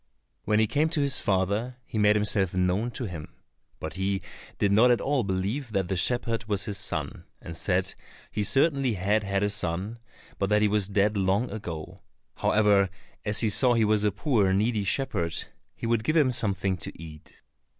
When he came to his father, he made himself known to him, but he did not at all believe that the shepherd was his son, and said he certainly had had a son, but that he was dead long ago; however, as he saw he was a poor, needy shepherd, he would give him something to eat.